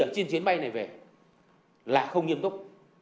trên chiến bay này về là không nghiêm túc